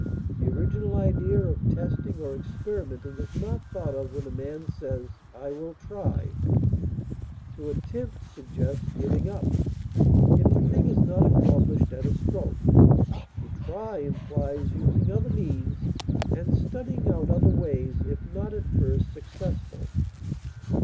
The original idea of testing or experimenting is not thought of when a man says "I will try." To attempt suggests giving up, if the thing is not accomplished at a stroke; to try implies using other means and studying out other ways if not at first successful.